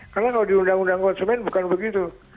karena kalau di undang undang konsumen bukan begitu